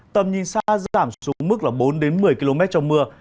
tầm nhìn xa giảm xuống mức bốn một mươi km trong mưa